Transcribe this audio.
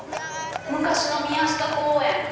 昔の宮下公園。